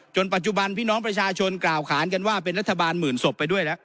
ปัจจุบันพี่น้องประชาชนกล่าวขานกันว่าเป็นรัฐบาลหมื่นศพไปด้วยแล้ว